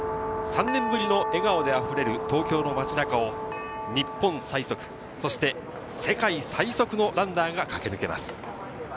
３年ぶりの笑顔で溢れる東京の街中を日本最速、そして世界最速のランナーが駆け抜けます。